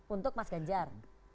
untuk mas ganjar